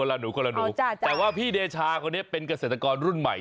เพราะว่าพี่เดชาคนนี้เป็นเกษตรกรรุ่นใหม่